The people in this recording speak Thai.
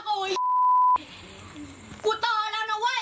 กูโตแล้วนะเว้ย